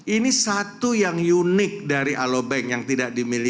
ini satu yang unik dari alobank yang tidak dimiliki